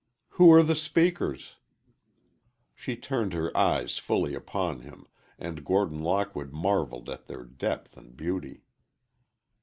"Who are the speakers?" She turned her eyes fully upon him, and Gordon Lockwood marveled at their depth and beauty.